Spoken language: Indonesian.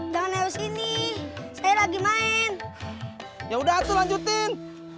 saya lagi main ya udah lanjutin